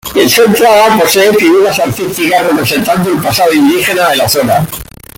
En su entrada posee figuras artísticas representado el pasado indígena de la zona.